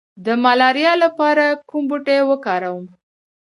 د ملاریا لپاره کوم بوټی وکاروم؟